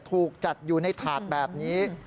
ถูกจัดอยู่ในถาดแบบนี้